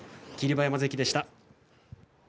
馬山関でした。